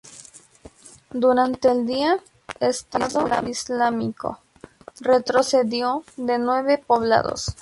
Durante el día, Estado Islámico retrocedió de nueve poblados.